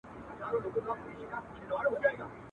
دا له کومه کوه قافه را روان یې ..